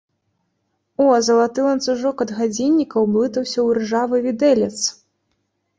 О, залаты ланцужок ад гадзінніка ўблытаўся ў іржавы відэлец!